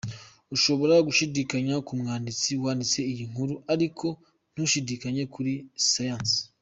Ushobora gushidikanya ku mwanditsi wanditse iyi nkuru ariko ntushidikanye kuri Siyansi.